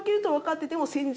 って